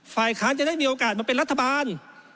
ฝ่ายค้านจะได้มีโอกาสมาเป็นรัฐบาล